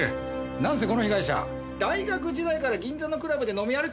なんせこの被害者大学時代から銀座のクラブで飲み歩いてたらしいんですよ！